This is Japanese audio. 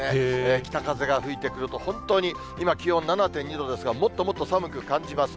北風が吹いてくると、本当に今気温７．２度ですが、もっともっと寒く感じます。